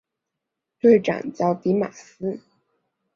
队名叫狄玛斯。